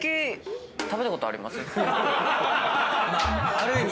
ある意味。